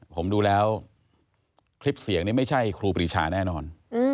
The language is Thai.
ผมดูแล้วคลิปเสียงนี้ไม่ใช่ครูปรีชาแน่นอน